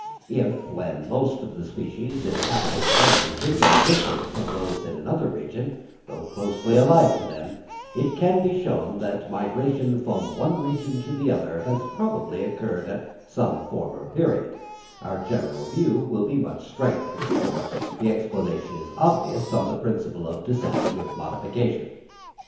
If, when most of the species inhabiting one region are different from those of another region, though closely allied to them, it can be shown that migration from the one region to the other has probably occurred at some former period, our general view will be much strengthened; for the explanation is obvious on the principle of descent with modification.